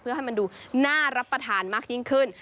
เพื่อให้มันดูน่ารับประทานมากยิ่งขึ้น